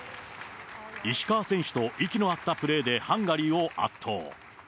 石川選手と息の合ったプレーでハンガリーを圧倒。